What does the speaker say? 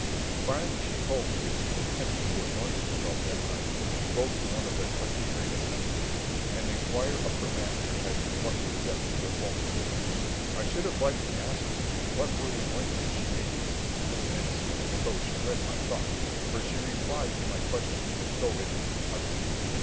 Finally she told me that she intended to anoint herself that night and go to one of their customary assemblies, and inquire of her master as to what was yet to befal me. I should have liked to ask her what were the ointments she made use of; and it seemed as though she read my thoughts, for she replied to my question as though it had been uttered.